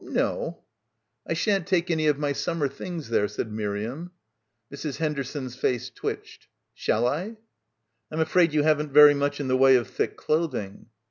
"I shan't take any of my summer things there," said Miriam. Mrs. Henderson's face twitched. "Shall I?" "I'm afraid you haven't very much in the way of thick clothing."